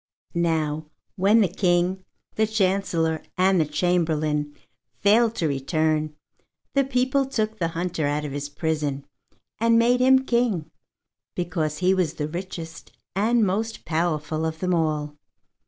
Now when the King, the Chancellor, and the Chamberlain failed to return, the people took the hunter out of his prison and made him king, because he was the richest and most powerful of them all.